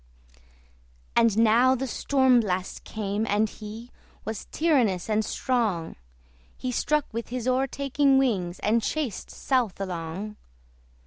And now the STORM BLAST came, and he Was tyrannous and strong: He struck with his o'ertaking wings, And chased south along.